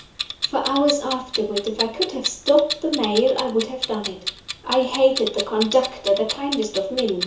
For hours afterward, if I could have stopped the mail, I would have done it. I hated the conductor, the kindest of men.